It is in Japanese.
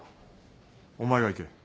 お前が行け。